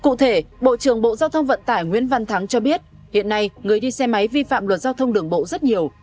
cụ thể bộ trưởng bộ giao thông vận tải nguyễn văn thắng cho biết hiện nay người đi xe máy vi phạm luật giao thông đường bộ rất nhiều